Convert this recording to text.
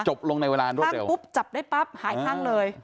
จบลงในเวลารถเร็วจับได้ปั๊บหายขั่งเลย